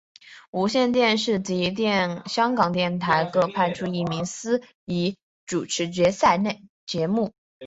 无线电视及香港电台各派出一名司仪主持决赛节目。